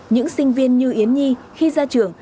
những sinh viên như yến nhi khi ra trường